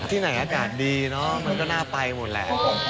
ที่ไหนอากาศดีเนอะมันก็น่าไปหมดแหละ